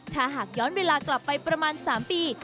ถ้าหากย้อนเวลากลับไปประมาณ๓ปี